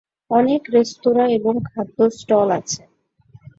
অনেক রেস্তোরাঁ এবং খাদ্য স্টল আছে।